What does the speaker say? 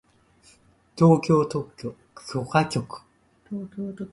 東京特許許可局